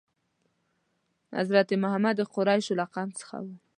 حضرت محمد ﷺ د قریشو له قوم څخه و.